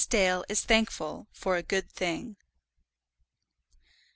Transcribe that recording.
DALE IS THANKFUL FOR A GOOD THING.